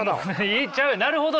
なるほど。